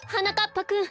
ぱくん